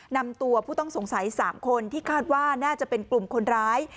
นำตัวผู้ต้องสงสัย๓คนที่คาดว่าน่าจะเป็นกลุ่มคนร้าย